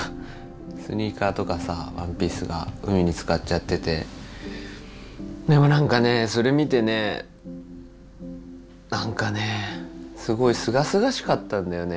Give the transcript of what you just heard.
スニーカーとかさワンピースが海につかっちゃっててでも何かねそれ見てね何かねすごいすがすがしかったんだよね。